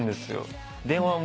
電話も。